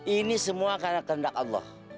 ini semua karena kehendak allah